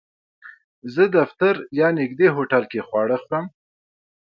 زه دفتر کې یا نږدې هوټل کې خواړه خورم